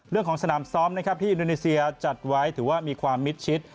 เรื่องของสนามซ้อมนะครับที่อินโดนีเซียจัดไว้ถือว่ามีความมิดชิด